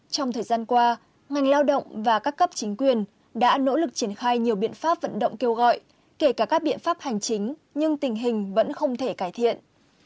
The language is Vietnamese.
trong thời gian qua ngành lao động và các cấp chính quyền đã nỗ lực triển khai nhiều biện pháp vận động kêu gọi kể cả các biện pháp hành chính nhưng tình hình vẫn không thể cải thiện